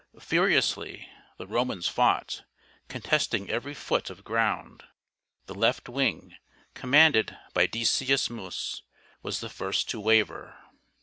Furiously the Romans fought, contesting every foot of ground. The left wing, commanded by Decius Mus, was the first to waver.